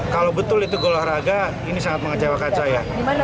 kalau betul itu go olahraga ini sangat mengecewakan saya